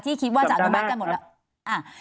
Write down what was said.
ที่คิดว่าจะอบมัดกันหมดแล้ว